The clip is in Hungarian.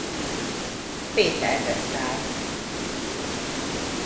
Péterre szállt.